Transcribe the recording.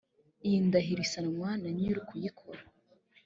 iyi ndahiro isinywa na nyir’ukuyikora